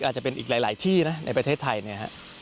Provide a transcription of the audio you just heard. อาจจะเป็นอีกหลายที่ในประเทศไทย